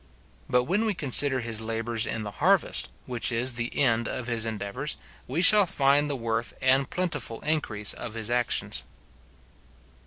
But when we consider his labours in the harvest, which is the end of his endeavours, we shall find the worth and plentiful increase of his actions."